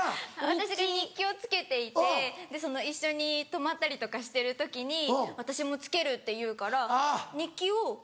私が日記をつけていてで一緒に泊まったりとかしてる時に私もつけるって言うから日記をプレゼント。